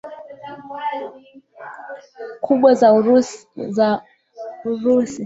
kubwa za Urusi huwa na vipindi vya majira tofauti sana